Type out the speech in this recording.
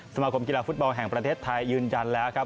สมาคมกีฬาฟุตบอลแห่งประเทศไทยยืนยันแล้วครับ